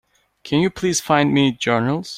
Can you please find me, Journals?